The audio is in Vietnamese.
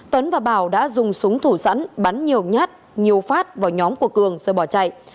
tấn và bảo đã dùng súng thủ sẵn bắn nhiều nhát nhiều phát vào nhóm của cường rồi bỏ chạy